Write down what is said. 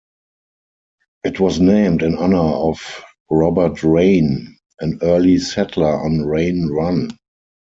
It was named in honor of Robert Rayne, an early settler on Rayne Run.